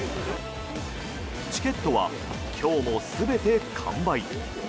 チケットは今日も全て完売。